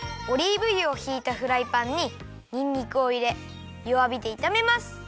オリーブ油をひいたフライパンににんにくをいれよわびでいためます。